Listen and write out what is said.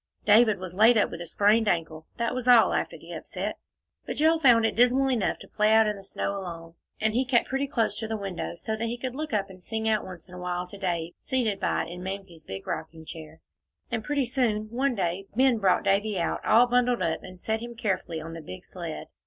David was laid up with a sprained ankle, that was all, after the upset. But Joel found it dismal enough to play out in the snow alone, and he kept pretty close to the window, so that he could look up and sing out once in a while to Dave seated by it in Mamsie's big rocking chair. And pretty soon, one day, Ben brought Davie out, all bundled up, and set him carefully on the big sled.